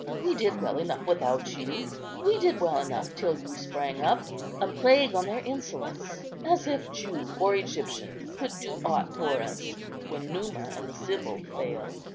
We did well enough without you; we did well enough till you sprang up.' A plague on their insolence; as if Jew or Egyptian could do aught for us when Numa and the Sibyl fail.